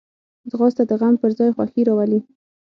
ځغاسته د غم پر ځای خوښي راولي